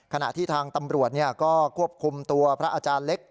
ขณะที่ทางตำรวจก็ควบคุมตัวพระอาจารย์เล็ก